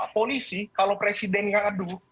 polisi kalau presiden yang adu